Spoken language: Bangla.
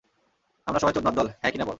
আমরা সবাই চোদনার দল, হ্যাঁ কি না বল?